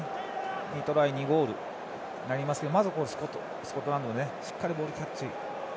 ２トライ２ゴールですけれどもまず、スコットランドしっかりボールキャッチ。